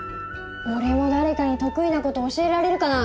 オレも誰かに得意なこと教えられるかな？